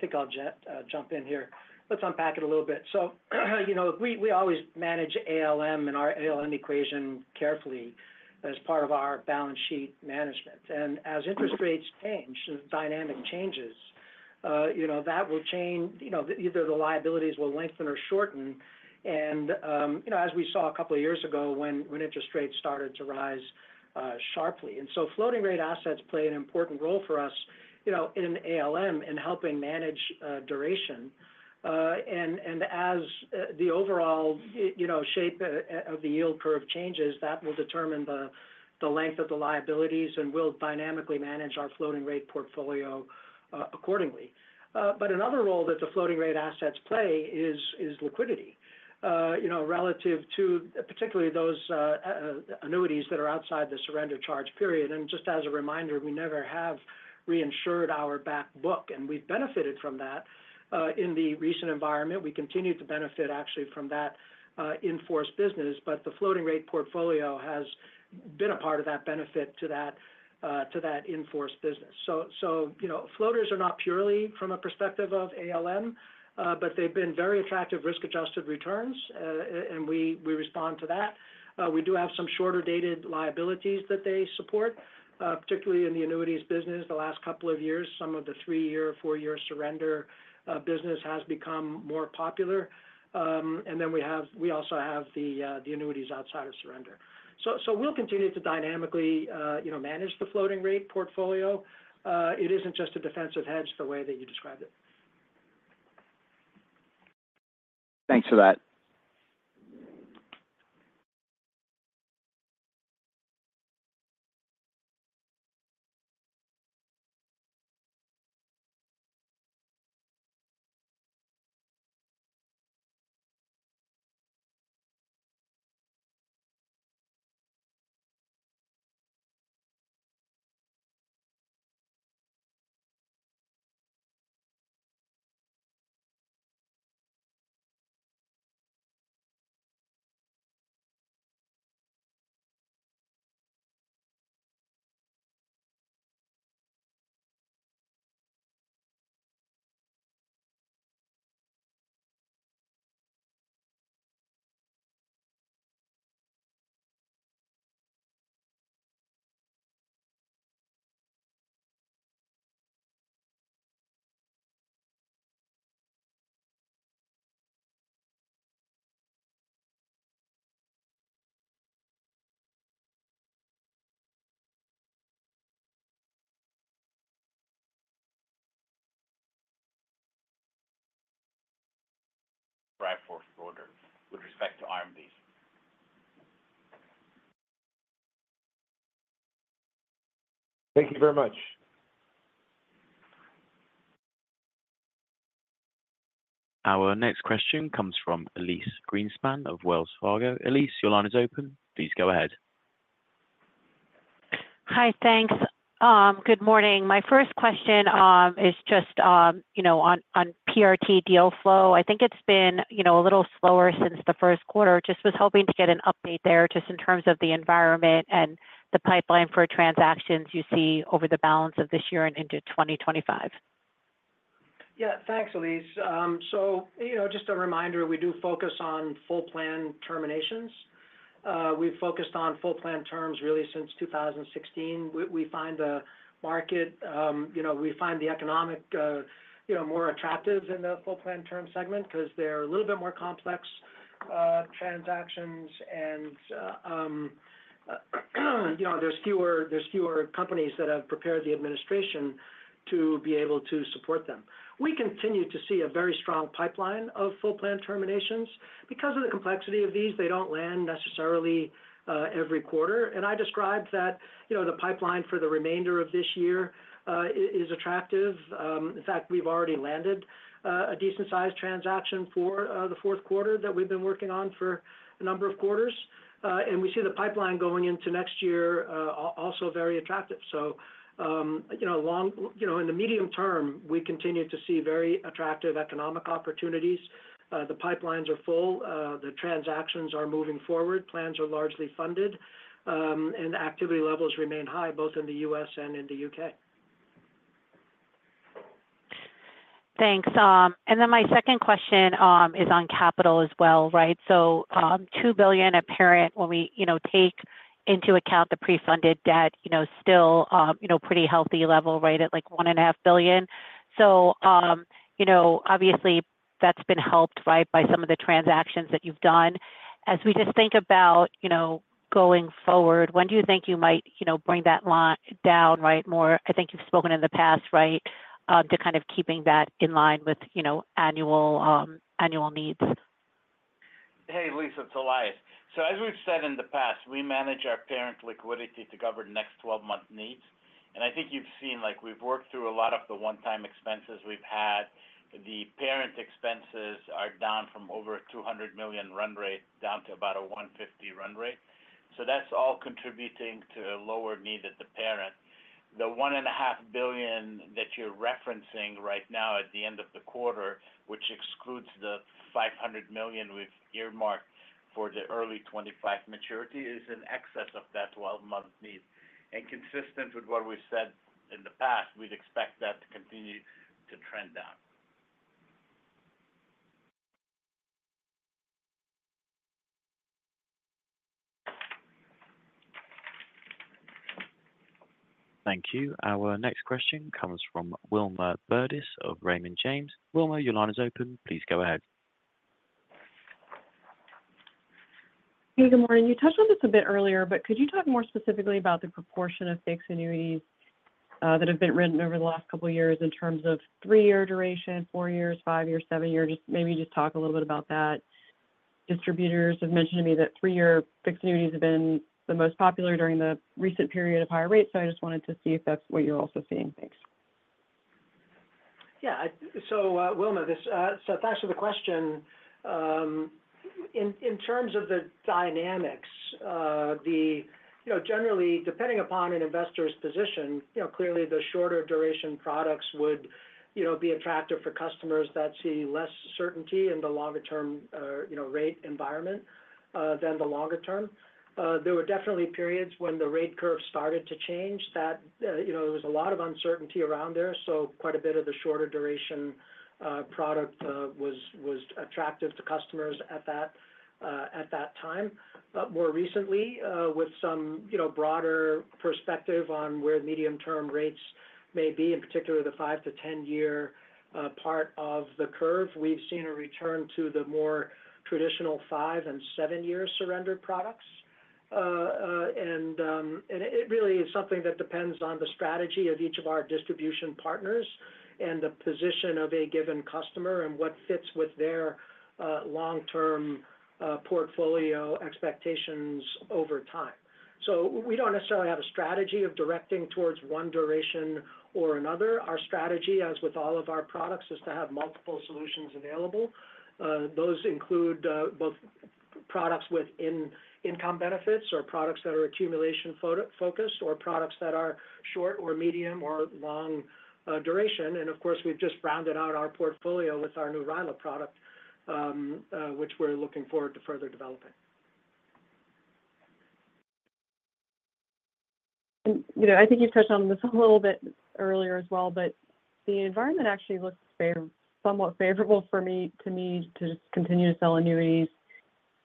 think I'll jump in here. Let's unpack it a little bit. So we always manage ALM and our ALM equation carefully as part of our balance sheet management. And as interest rates change, dynamic changes, that will change either the liabilities will lengthen or shorten. And as we saw a couple of years ago when interest rates started to rise sharply. And so floating rate assets play an important role for us in ALM in helping manage duration. And as the overall shape of the yield curve changes, that will determine the length of the liabilities and will dynamically manage our floating rate portfolio accordingly. But another role that the floating rate assets play is liquidity relative to particularly those annuities that are outside the surrender charge period. And just as a reminder, we never have reinsured our back book. We've benefited from that. In the recent environment, we continue to benefit actually from that in-force business. But the floating rate portfolio has been a part of that benefit to that in-force business. Floaters are not purely from a perspective of ALM, but they've been very attractive risk-adjusted returns. We respond to that. We do have some shorter-dated liabilities that they support, particularly in the annuities business. The last couple of years, some of the three-year, four-year surrender business has become more popular. Then we also have the annuities outside of surrender. We'll continue to dynamically manage the floating rate portfolio. It isn't just a defensive hedge the way that you described it. Thanks for that. Friday, fourth quarter with respect to RMDs. Thank you very much. Our next question comes from Elyse Greenspan of Wells Fargo. Elyse, your line is open. Please go ahead. Hi, thanks. Good morning. My first question is just on PRT deal flow. I think it's been a little slower since the first quarter. Just was hoping to get an update there just in terms of the environment and the pipeline for transactions you see over the balance of this year and into 2025. Yeah. Thanks, Elyse. So just a reminder, we do focus on full plan terminations. We've focused on full plan terms really since 2016. We find the market, we find the economic more attractive in the full plan term segment because they're a little bit more complex transactions. And there's fewer companies that have prepared the administration to be able to support them. We continue to see a very strong pipeline of full plan terminations. Because of the complexity of these, they don't land necessarily every quarter. And I described that the pipeline for the remainder of this year is attractive. In fact, we've already landed a decent-sized transaction for the fourth quarter that we've been working on for a number of quarters. And we see the pipeline going into next year also very attractive. So in the medium term, we continue to see very attractive economic opportunities. The pipelines are full. The transactions are moving forward. Plans are largely funded, and activity levels remain high both in the U.S. and in the U.K. Thanks. And then my second question is on capital as well, right? So $2 billion apparent when we take into account the pre-funded debt, still pretty healthy level, right, at like $1.5 billion. So obviously, that's been helped, right, by some of the transactions that you've done. As we just think about going forward, when do you think you might bring that down, right, more? I think you've spoken in the past, right, to kind of keeping that in line with annual needs. Hey, Elyse, it's Elias. So as we've said in the past, we manage our parent liquidity to cover the next 12-month needs. And I think you've seen we've worked through a lot of the one-time expenses we've had. The parent expenses are down from over $200 million run rate down to about a $150 million run rate. So that's all contributing to a lower need at the parent. The $1.5 billion that you're referencing right now at the end of the quarter, which excludes the $500 million we've earmarked for the early 2025 maturity, is in excess of that 12-month need. And consistent with what we've said in the past, we'd expect that to continue to trend down. Thank you. Our next question comes from Wilma Burdis of Raymond James. Wilma, your line is open. Please go ahead. Hey, good morning. You touched on this a bit earlier, but could you talk more specifically about the proportion of fixed annuities that have been written over the last couple of years in terms of three-year duration, four years, five years, seven years? Maybe you just talk a little bit about that. Distributors have mentioned to me that three-year fixed annuities have been the most popular during the recent period of higher rates. So I just wanted to see if that's what you're also seeing. Thanks. Yeah, so Wilma, thanks for the question. In terms of the dynamics, generally, depending upon an investor's position, clearly the shorter duration products would be attractive for customers that see less certainty in the longer-term rate environment than the longer-term. There were definitely periods when the rate curve started to change that there was a lot of uncertainty around there. So quite a bit of the shorter duration product was attractive to customers at that time. But more recently, with some broader perspective on where medium-term rates may be, in particular the five to 10-year part of the curve, we've seen a return to the more traditional five and seven-year surrender products. And it really is something that depends on the strategy of each of our distribution partners and the position of a given customer and what fits with their long-term portfolio expectations over time. So we don't necessarily have a strategy of directing towards one duration or another. Our strategy, as with all of our products, is to have multiple solutions available. Those include both products with income benefits or products that are accumulation-focused or products that are short or medium or long duration. And of course, we've just rounded out our portfolio with our new RILA product, which we're looking forward to further developing. I think you've touched on this a little bit earlier as well, but the environment actually looks somewhat favorable to me to just continue to sell annuities,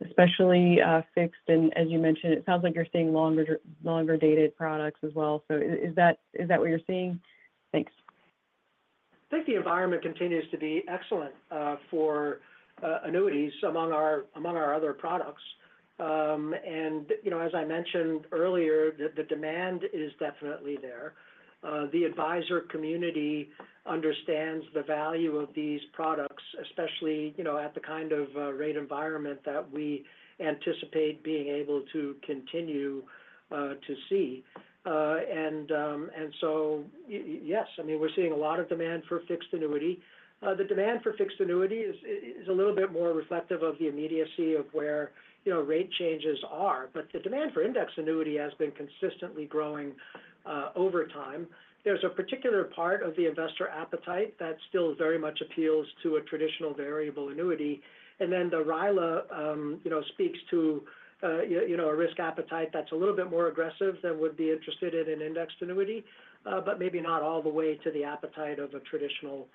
especially fixed. As you mentioned, it sounds like you're seeing longer-dated products as well. Is that what you're seeing? Thanks. I think the environment continues to be excellent for annuities among our other products, and as I mentioned earlier, the demand is definitely there. The advisor community understands the value of these products, especially at the kind of rate environment that we anticipate being able to continue to see, and so yes, I mean, we're seeing a lot of demand for fixed annuity. The demand for fixed annuity is a little bit more reflective of the immediacy of where rate changes are, but the demand for index annuity has been consistently growing over time. There's a particular part of the investor appetite that still very much appeals to a traditional variable annuity, and then the RILA speaks to a risk appetite that's a little bit more aggressive than would be interested in an indexed annuity, but maybe not all the way to the appetite of a traditional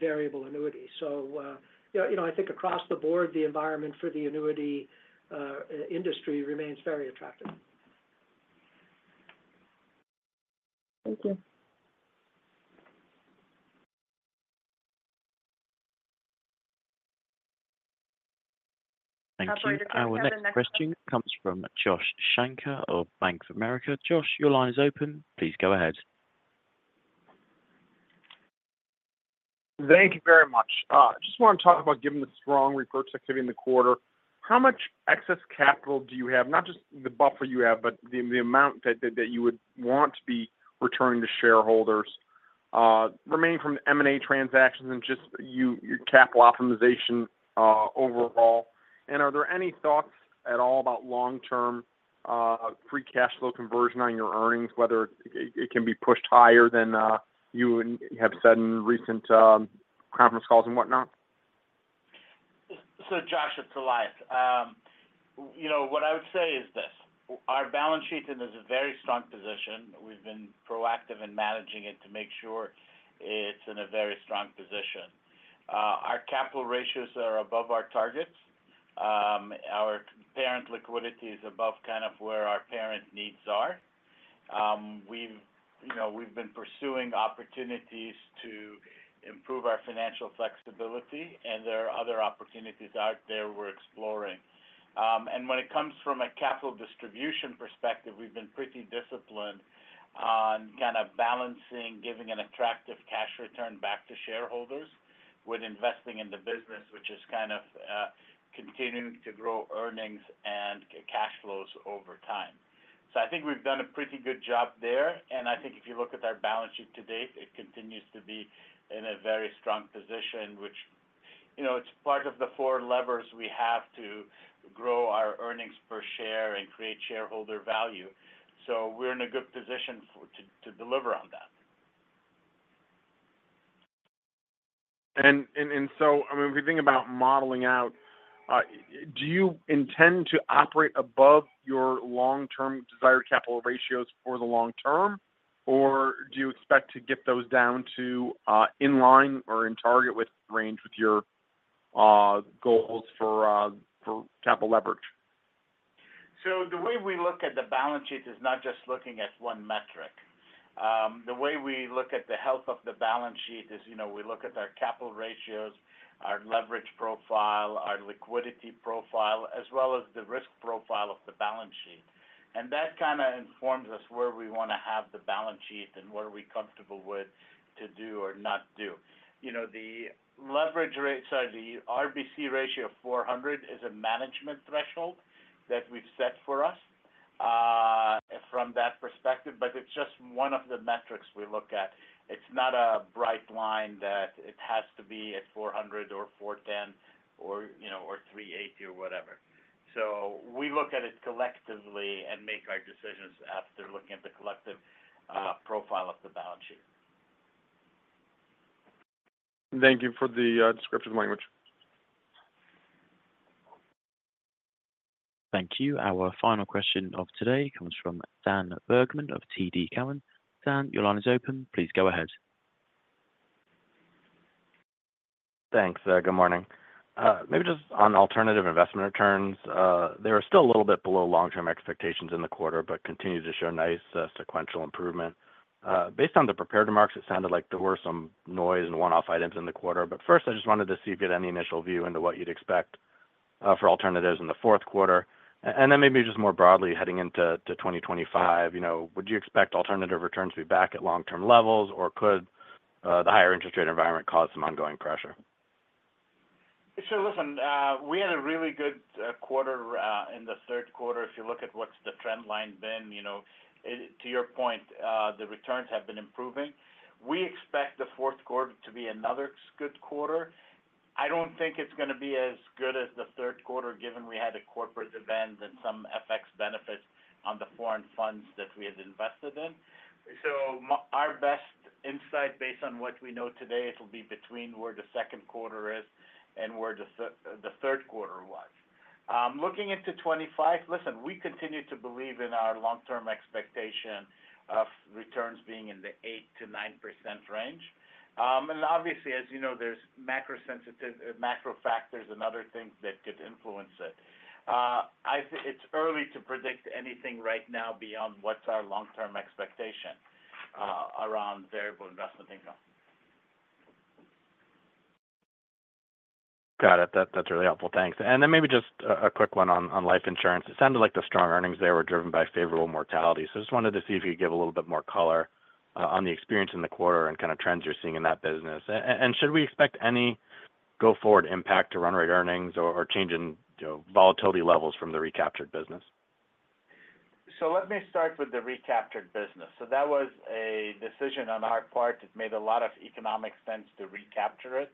variable annuity. So I think across the board, the environment for the annuity industry remains very attractive. Thank you. Thank you. Our next question comes from Josh Shanker of Bank of America. Josh, your line is open. Please go ahead. Thank you very much. I just want to talk about, given the strong reinsurance activity in the quarter, how much excess capital do you have, not just the buffer you have, but the amount that you would want to be returning to shareholders remaining from M&A transactions and just your capital optimization overall, and are there any thoughts at all about long-term free cash flow conversion on your earnings, whether it can be pushed higher than you have said in recent conference calls and whatnot? Josh, it's Elias. What I would say is this: our balance sheet is in a very strong position. We've been proactive in managing it to make sure it's in a very strong position. Our capital ratios are above our targets. Our parent liquidity is above kind of where our parent needs are. We've been pursuing opportunities to improve our financial flexibility, and there are other opportunities out there we're exploring. And when it comes from a capital distribution perspective, we've been pretty disciplined on kind of balancing, giving an attractive cash return back to shareholders with investing in the business, which is kind of continuing to grow earnings and cash flows over time. So I think we've done a pretty good job there. I think if you look at our balance sheet to date, it continues to be in a very strong position, which is part of the four levers we have to grow our earnings per share and create shareholder value. We're in a good position to deliver on that. And so, I mean, if we think about modeling out, do you intend to operate above your long-term desired capital ratios for the long term, or do you expect to get those down to in line or in target range with your goals for capital leverage? So the way we look at the balance sheet is not just looking at one metric. The way we look at the health of the balance sheet is we look at our capital ratios, our leverage profile, our liquidity profile, as well as the risk profile of the balance sheet. And that kind of informs us where we want to have the balance sheet and what are we comfortable with to do or not do. The leverage rate, sorry, the RBC ratio of 400 is a management threshold that we've set for us from that perspective, but it's just one of the metrics we look at. It's not a bright line that it has to be at 400 or 410 or 380 or whatever. So we look at it collectively and make our decisions after looking at the collective profile of the balance sheet. Thank you for the descriptive language. Thank you. Our final question of today comes from Dan Bergman of TD Cowen. Dan, your line is open. Please go ahead. Thanks. Good morning. Maybe just on alternative investment returns, they were still a little bit below long-term expectations in the quarter but continue to show nice sequential improvement. Based on the prepared remarks, it sounded like there were some noise and one-off items in the quarter. But first, I just wanted to see if you had any initial view into what you'd expect for alternatives in the fourth quarter. And then maybe just more broadly, heading into 2025, would you expect alternative returns to be back at long-term levels, or could the higher interest rate environment cause some ongoing pressure? So listen, we had a really good quarter in the third quarter. If you look at what's the trend line been, to your point, the returns have been improving. We expect the fourth quarter to be another good quarter. I don't think it's going to be as good as the third quarter given we had a corporate event and some FX benefits on the foreign funds that we had invested in. So our best insight based on what we know today, it'll be between where the second quarter is and where the third quarter was. Looking into 2025, listen, we continue to believe in our long-term expectation of returns being in the 8%-9% range. And obviously, as you know, there's macro factors and other things that could influence it. It's early to predict anything right now beyond what's our long-term expectation around variable investment income. Got it. That's really helpful. Thanks. And then maybe just a quick one on Life Insurance. It sounded like the strong earnings there were driven by favorable mortality. So I just wanted to see if you could give a little bit more color on the experience in the quarter and kind of trends you're seeing in that business. And should we expect any go forward impact to run rate earnings or change in volatility levels from the recaptured business? So let me start with the recaptured business. So that was a decision on our part. It made a lot of economic sense to recapture it.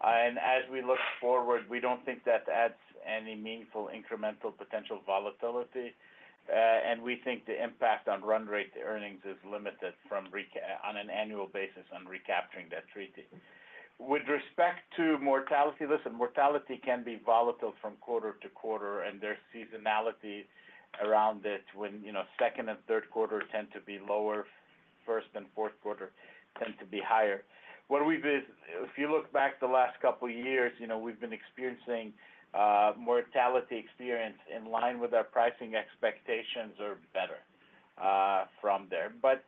And as we look forward, we don't think that adds any meaningful incremental potential volatility. And we think the impact on run rate earnings is limited on an annual basis on recapturing that treaty. With respect to mortality, listen, mortality can be volatile from quarter to quarter, and there's seasonality around it when second and third quarter tend to be lower, first and fourth quarter tend to be higher. If you look back the last couple of years, we've been experiencing mortality experience in line with our pricing expectations or better from there. But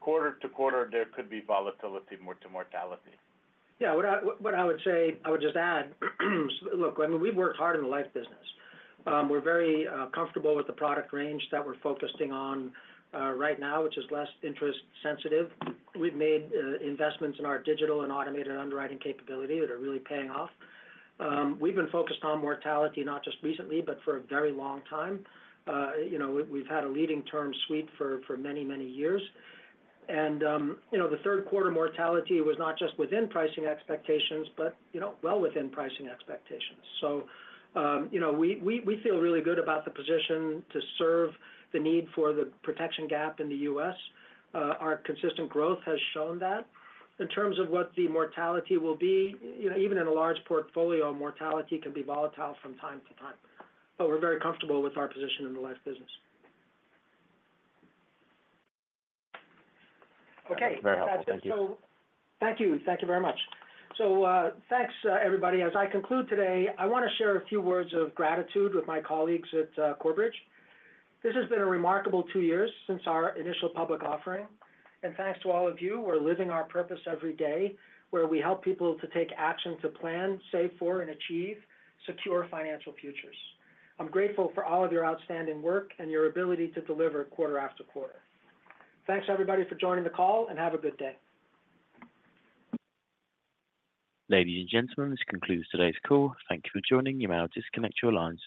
quarter to quarter, there could be volatility to mortality. Yeah. What I would say, I would just add, look, I mean, we've worked hard in the Life business. We're very comfortable with the product range that we're focusing on right now, which is less interest sensitive. We've made investments in our digital and automated underwriting capability that are really paying off. We've been focused on mortality not just recently, but for a very long time. We've had a leading term suite for many, many years. And the third quarter mortality was not just within pricing expectations, but well within pricing expectations. So we feel really good about the position to serve the need for the protection gap in the U.S. Our consistent growth has shown that. In terms of what the mortality will be, even in a large portfolio, mortality can be volatile from time to time. But we're very comfortable with our position in the Life business. Okay. Very helpful. Thank you. Thank you. Thank you very much. So thanks, everybody. As I conclude today, I want to share a few words of gratitude with my colleagues at Corebridge. This has been a remarkable two years since our initial public offering, and thanks to all of you, we're living our purpose every day where we help people to take action to plan, save for, and achieve secure financial futures. I'm grateful for all of your outstanding work and your ability to deliver quarter after quarter. Thanks, everybody, for joining the call, and have a good day. Ladies and gentlemen, this concludes today's call. Thank you for joining. You may now disconnect your lines.